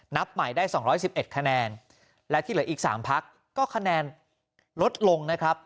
นับใหม่ได้๒๑๑คะแนนและที่เหลืออีก๓พักก็คะแนนลดลงนะครับ